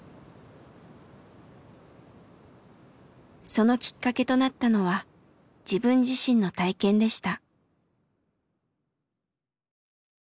そのきっかけとなったのは自分自身の体験でした。